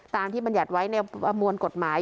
ที่บรรยัติไว้ในประมวลกฎหมาย